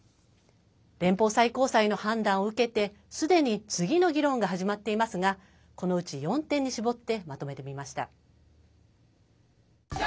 連邦最高裁の判断を受けてすでに次の議論が始まっていますがこのうち４点に絞ってまとめてみました。